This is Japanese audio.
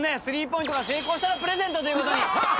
３ポイントが成功したらプレゼントということに。